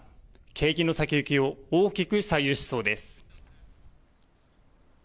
景気の先行きを大きく左右しそうです。